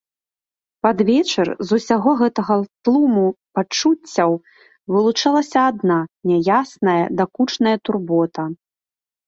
Пад вечар з усяго гэтага тлуму пачуццяў вылучылася адна няясная, дакучная турбота.